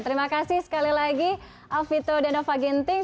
terima kasih sekali lagi alvito dan nova ginting